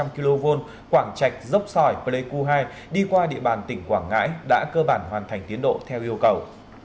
ba mươi năm kv quảng trạch dốc sỏi pleiku hai đi qua địa bàn tỉnh quảng ngãi đã cơ bản hoàn thành tiến độ theo yêu cầu